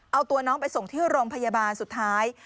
เอาตัวน้องไปส่งที่โรงพยาบาลสุดท้าย